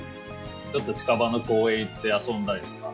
ちょっと近場の公園行って遊んだりとか。